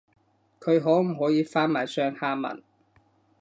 佢可唔可以發埋上下文